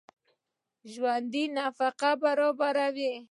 ژوندي نفقه برابروي